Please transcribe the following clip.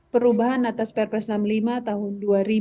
perubahan atas perpres enam puluh lima tahun dua ribu dua